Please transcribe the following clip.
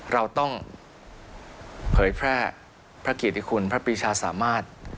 เราต้องเผยแพร่พระกิจที่คุณพระพิชาสามารถ